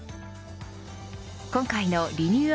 今回のリニュー